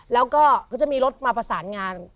แล้วก็เขาจะมีรถมาประสานงาน